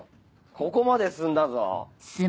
ここまで進んだぞ。